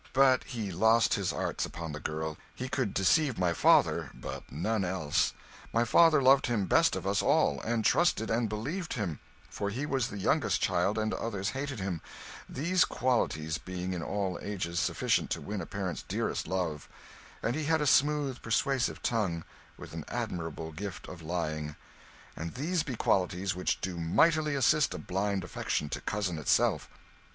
But he lost his arts upon the girl; he could deceive my father, but none else. My father loved him best of us all, and trusted and believed him; for he was the youngest child, and others hated him these qualities being in all ages sufficient to win a parent's dearest love; and he had a smooth persuasive tongue, with an admirable gift of lying and these be qualities which do mightily assist a blind affection to cozen itself.